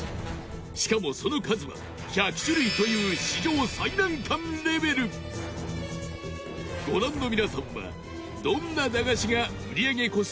しかも、その数は１００種類という史上最難関レベルご覧の皆さんはどんな駄菓子が売り上げ個数